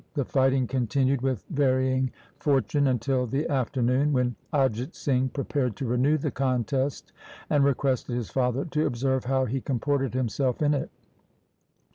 The fighting continued with varying for tune until the afternoon, when Ajit Singh prepared to renew the contest, and requested his father to observe how he comported himself in it.